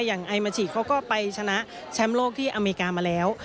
อย่างไอมาชิเขาก็ไปชนะแชมป์โลกที่อเมริกามาแล้ว